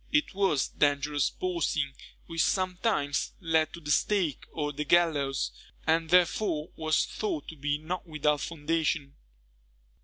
It was dangerous boasting, which sometimes led to the stake or the gallows, and therefore was thought to be not without foundation.